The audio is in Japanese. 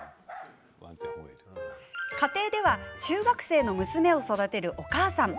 家庭では中学生の娘を育てるお母さん。